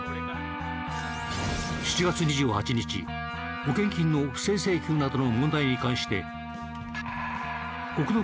７月２８日保険金の不正請求などの問題に関して。